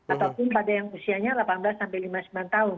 ataupun pada yang usianya delapan belas sampai lima puluh sembilan tahun